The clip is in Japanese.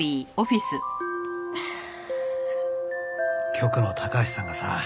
局の高橋さんがさ